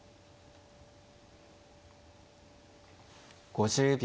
５０秒。